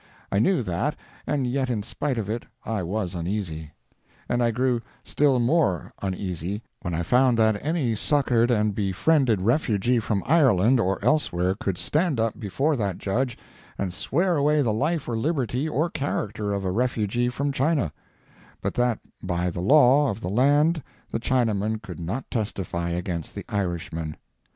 I knew that, and yet in spite of it I was uneasy. And I grew still more uneasy, when I found that any succored and befriended refugee from Ireland or elsewhere could stand up before that judge and swear away the life or liberty or character of a refugee from China; but that by the law of the land the Chinaman could not testify against the Irishman.